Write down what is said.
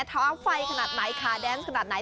ท้องไฟขนาดไหนขาแดนขนาดไหน